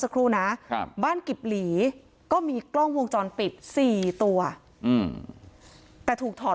ครูนะครับบ้านกิบหลีก็มีกล้องวงจรปิด๔ตัวแต่ถูกถอด